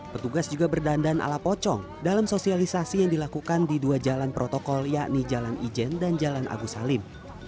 petugas juga berdandan ala pocong dalam sosialisasi yang dilakukan di dua jalan protokol yakni jalan ijen dan jalan agus salim